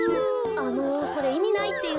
あのそれいみないっていうか